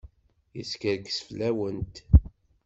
Yeskerkes fell-awent.